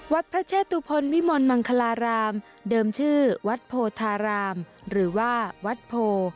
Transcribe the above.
วัดพระเชตุพลวิมลมังคลารามเดิมชื่อวัดโพธารามหรือว่าวัดโพ